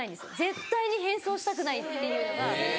絶対に変装したくないっていうのがある。